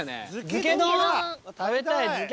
漬け丼食べたい。